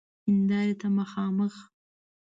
هیندارې ته مخامخ